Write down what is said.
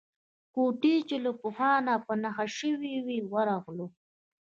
کوټې چې له پخوا نه په نښه شوې وې ورغلو.